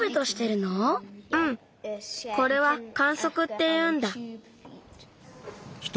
これは管足っていうんだ。